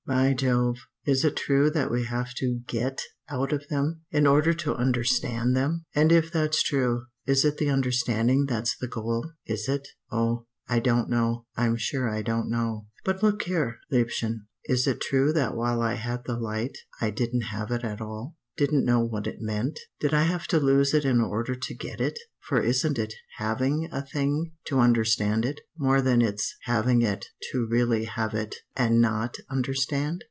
By Jove, is it true that we have to get out of them, in order to understand them? And if that's true, is it the understanding that's the goal? Is it oh, I don't know I'm sure I don't know. "But look here, liebchen, is it true that while I had the light, I didn't have it at all, didn't know what it meant? Did I have to lose it in order to get it? For isn't it having a thing to understand it more than it's having it to really have it and not understand?